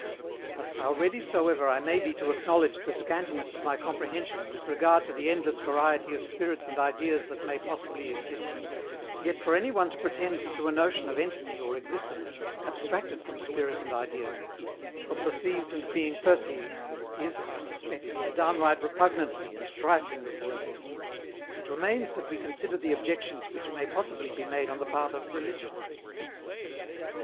But, how ready soever I may be to acknowledge the scantiness of my comprehension with regard to the endless variety of spirits and ideas that may possibly exist, yet for any one to pretend to a notion of Entity or Existence, abstracted from spirit and idea, from perceived and being perceived, is, I suspect, a downright repugnancy and trifling with words. It remains that we consider the objections which may possibly be made on the part of Religion.